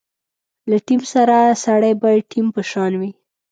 له ټیم سره سړی باید ټیم په شان وي.